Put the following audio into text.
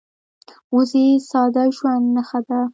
وزې د ساده ژوند نښه ده